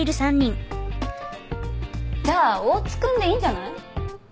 じゃあ大津君でいいんじゃない？はっ？